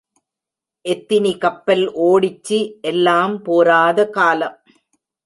எத்தினி கப்பல் ஓடிச்சி எல்லாம் போராத காலம்.